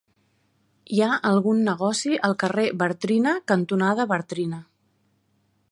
Hi ha algun negoci al carrer Bartrina cantonada Bartrina?